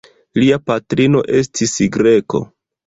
Lia patrino estis greko.